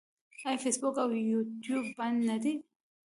آیا فیسبوک او یوټیوب بند نه دي؟